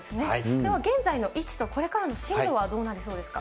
では、現在の位置とこれからの進路はどうなりそうですか。